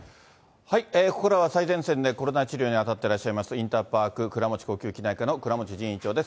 ここからは最前線でコロナ治療に当たってらっしゃいます、インターパーク倉持呼吸器内科の倉持仁院長です。